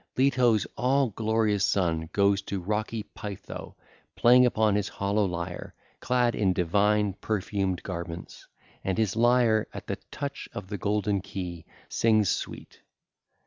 (ll. 182 206) Leto's all glorious son goes to rocky Pytho, playing upon his hollow lyre, clad in divine, perfumed garments; and at the touch of the golden key his lyre sings sweet.